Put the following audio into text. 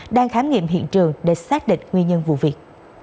đang khám nghiệm hiện trường để xác định nguyên nhân vụ việc